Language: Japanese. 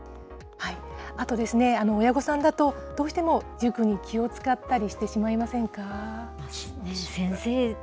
あとですね、親御さんだとどうしても塾に気を遣ったりしてしまいませんか？